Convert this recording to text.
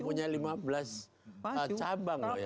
tepu yurek bisa punya lima belas cabang loh ya